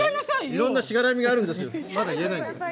いろんなしがらみがあるんですまだ言えないんですよ。